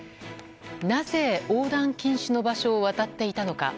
なぜ、横断禁止の場所を渡っていたのか。